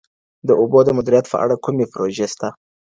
د اوبو د مدیریت په اړه کومې پروژې سته؟